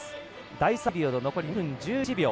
第３ピリオド、残り２分１１秒。